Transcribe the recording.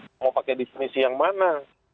mau pakai definisi yang mana